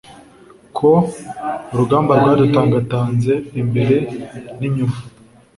ko urugamba rwadutangatanze, imbere n'inyuma